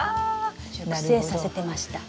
熟成させてました。